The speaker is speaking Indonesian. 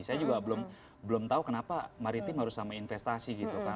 saya juga belum tahu kenapa maritim harus sama investasi gitu kan